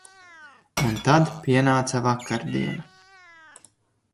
Un tad pienāca vakardiena.